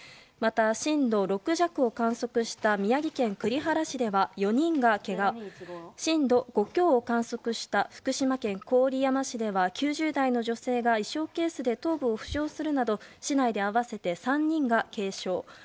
また、震度６弱を観測した宮城県栗原市では４人がけが震度５強を観測した福島県郡山市では９０代の女性が衣装ケースで頭部を負傷するなど市内で合わせて３人が軽傷。